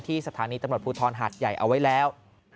สถานีตำรวจภูทรหาดใหญ่เอาไว้แล้ว